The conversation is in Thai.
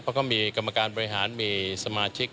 เขาก็มีกรรมการบริหารมีสมาชิก